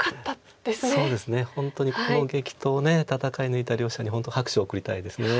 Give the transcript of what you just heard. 本当にこの激闘を戦い抜いた両者に本当拍手を送りたいです。